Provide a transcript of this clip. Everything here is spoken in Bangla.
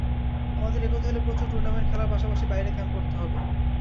আমাদের এগোতে হলে প্রচুর টুর্নামেন্ট খেলার পাশাপাশি বাইরে ক্যাম্প করতে হবে।